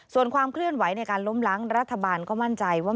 ส่วนความเคลื่อนไหวในการล้มล้างรัฐบาลก็มั่นใจว่า